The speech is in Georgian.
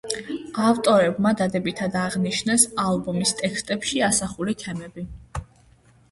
ავტორებმა დადებითად აღნიშნეს ალბომის ტექსტებში ასახული თემები.